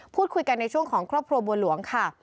พูดคุยกันในช่วงของครอบครัวบัวหลวงค่ะ